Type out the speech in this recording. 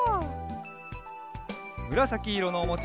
むらさきいろのおもち